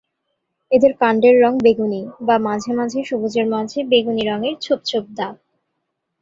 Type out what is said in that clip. এদের কান্ডের রঙ বেগুনি বা মাঝে মাঝে সবুজের মাঝে বেগুনি রঙের ছোপ ছোপ দাগ।